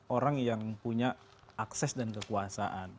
orang yang punya akses dan kekuasaan